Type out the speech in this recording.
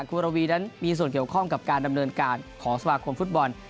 คุณระวีนั้นมีส่วนเกี่ยวข้องกับการดำเนินการของสมาคมฟุตบอล